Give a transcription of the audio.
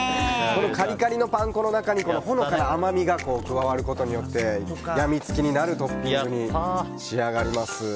カリカリのパン粉の中にほのかな甘みが加わることで病みつきになるトッピングに仕上がります。